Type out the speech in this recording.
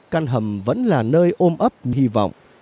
căn hầm vẫn là nơi ôm ấp hy vọng